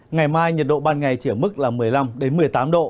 ngày mai nhiệt độ ban ngày chỉ ở mức là một mươi năm một mươi tám độ